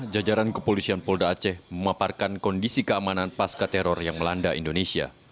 jajaran kepolisian polda aceh memaparkan kondisi keamanan pasca teror yang melanda indonesia